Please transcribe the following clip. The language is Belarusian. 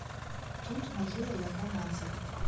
Тут магіла яго мацеры.